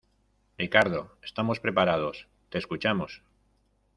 Ricardo, estamos preparados , te escuchamos.